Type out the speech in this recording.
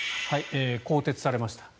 更迭されました。